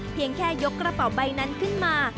เพียงแค่ยกกระเป๋าใบนั้นขึ้นมา